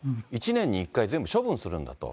１年に１回、全部処分するんだと。